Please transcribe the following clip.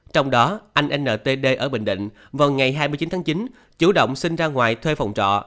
trong đó anh n t d ở bình định vào ngày hai mươi chín tháng chín chủ động sinh ra ngoài thuê phòng trọ